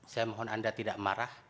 saya mohon anda tidak marah